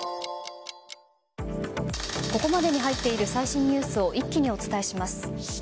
ここまでに入っている最新ニュースを一気にお伝えします。